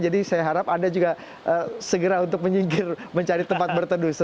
jadi saya harap anda juga segera untuk menyingkir mencari tempat berteduh